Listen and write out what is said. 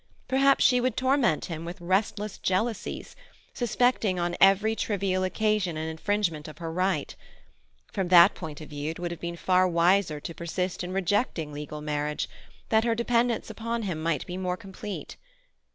Perhaps she would torment him with restless jealousies, suspecting on every trivial occasion an infringement of her right. From that point of view it would have been far wiser to persist in rejecting legal marriage, that her dependence upon him might be more complete.